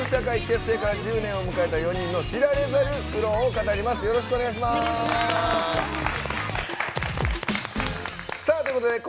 結成から１０年を迎えた４人の知られざる苦労を語ります。